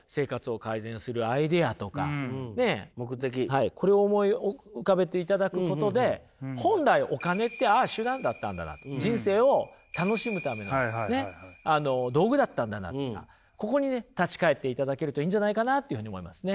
はいこれを思い浮かべていただくことで本来お金ってああ手段だったんだな人生を楽しむためのねっあの道具だったんだなとかここにね立ち返っていただけるといいんじゃないかなというふうに思いますね。